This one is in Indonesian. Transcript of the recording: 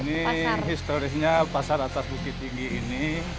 ini historisnya pasar atas bukit tinggi ini